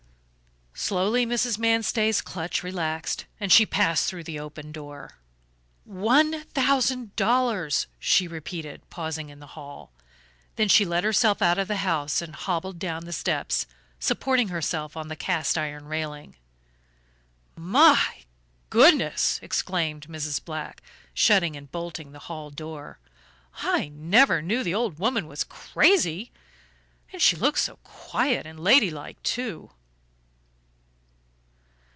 Slowly Mrs. Manstey's clutch relaxed, and she passed through the open door. "One thousand dollars," she repeated, pausing in the hall; then she let herself out of the house and hobbled down the steps, supporting herself on the cast iron railing. "My goodness," exclaimed Mrs. Black, shutting and bolting the hall door, "I never knew the old woman was crazy! And she looks so quiet and ladylike, too."